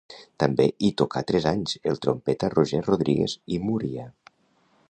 També hi tocà tres anys el trompeta Roger Rodríguez i Múria.